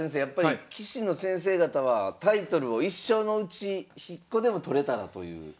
やっぱり棋士の先生方はタイトルを一生のうち１個でも取れたらという。